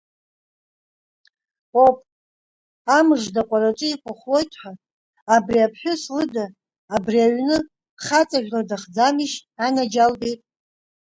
Оп, амыжда аҟәараҿы иқәыхәлоит ҳәа, абри аԥҳәыс лыда, абри, аҩны хаҵажәла дахӡамишь, анаџьалбеит?